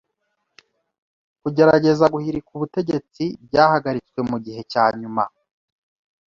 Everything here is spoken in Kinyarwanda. Kugerageza guhirika ubutegetsi byahagaritswe mugihe cyanyuma.